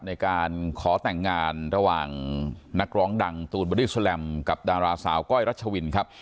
ในการขอแต่งงานระหว่างนักร้องดังตูนบอดี้แลมกับดาราสาวก้อยรัชวินครับ